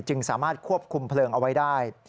สามารถควบคุมเพลิงเอาไว้ได้